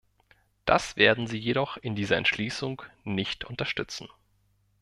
Das werden sie jedoch in dieser Entschließung nicht unterstützen.